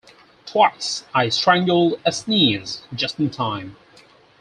Twice I strangled a sneeze just in time.